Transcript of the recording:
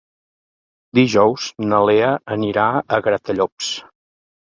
Dijous na Lea anirà a Gratallops.